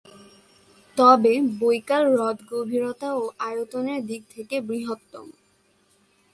তবে, বৈকাল হ্রদ গভীরতা ও আয়তনের দিক থেকে বৃহত্তম।